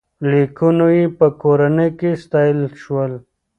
لیکونو یې په کورنۍ کې ستایل شول.